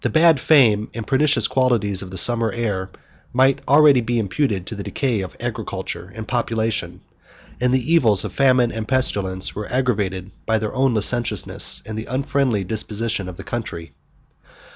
The bad fame and pernicious qualities of the summer air might already be imputed to the decay of agriculture and population; and the evils of famine and pestilence were aggravated by their own licentiousness, and the unfriendly disposition of the country.